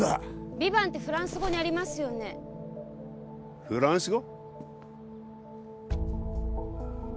ヴィヴァンってフランス語にありますよねフランス語？